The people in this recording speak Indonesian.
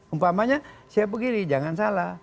umpamanya siap begini jangan salah